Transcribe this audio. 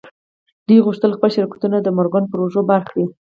دوی غوښتل خپل شرکتونه د مورګان پر اوږو بار کړي.